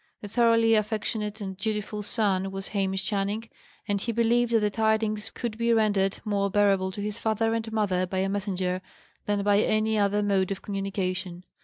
A thoroughly affectionate and dutiful son was Hamish Channing; and he believed that the tidings could be rendered more bearable to his father and mother by a messenger, than by any other mode of communication.